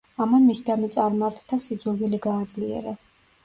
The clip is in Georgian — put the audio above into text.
ამან მისდამი წარმართთა სიძულვილი გააძლიერა.